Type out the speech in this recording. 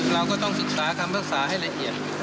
เราก็ต้องศึกษาคำภาษาให้ละเอียด